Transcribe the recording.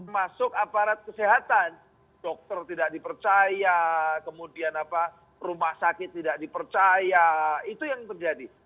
masuk aparat kesehatan dokter tidak dipercaya kemudian rumah sakit tidak dipercaya itu yang terjadi